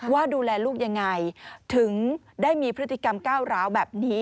ว่าดูแลลูกยังไงถึงได้มีพฤติกรรมก้าวร้าวแบบนี้